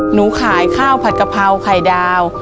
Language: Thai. หนูขายข้าวผัดกะเพราไข่ดาว